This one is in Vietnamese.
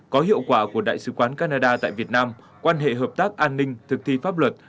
có hiệu quả của đại sứ quán canada tại việt nam quan hệ hợp tác an ninh thực thi pháp luật